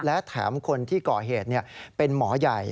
และแถมคนที่ก่อเหตุเป็นหมอใหญ่